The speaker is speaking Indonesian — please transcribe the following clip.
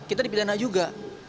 kita dipidana juga